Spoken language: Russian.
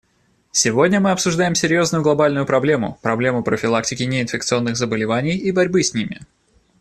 Сегодня мы обсуждаем серьезную глобальную проблему: проблему профилактики неинфекционных заболеваний и борьбы с ними.